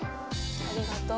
ありがとう。